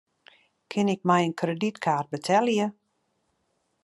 Kin ik mei in kredytkaart betelje?